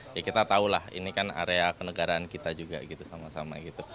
ya kita tahu lah ini kan area kenegaraan kita juga gitu sama sama gitu